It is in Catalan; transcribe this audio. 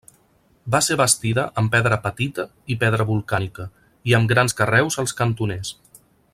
Va ser bastida amb pedra petita i pedra volcànica, i amb grans carreus als cantoners.